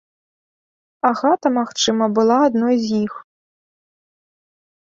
Агата, магчыма, была адной з іх.